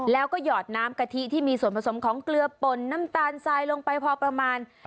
แล้วก็หยอดน้ำกะทิที่มีส่วนผสมของเกลือป่นน้ำตาลทรายลงไปพอประมาณ